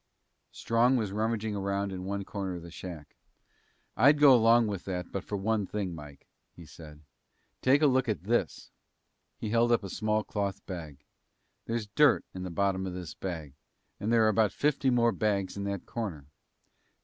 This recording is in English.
Strong was rummaging around in one corner of the shack. "I'd go along with that, but for one thing, Mike," he said. "Take a look at this." He held up a small cloth bag. "There's dirt in the bottom of this bag. And there are about fifty more bags in that corner."